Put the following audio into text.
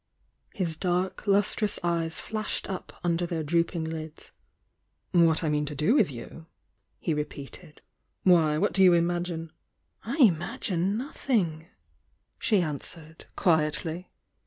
His dark, lustrous eyes flashed up imder the*r drooping lida. "What I mean to do with you?" he repeated— "Wh^ what do you imagine " "I imagine nothing," Sie answered, quietly.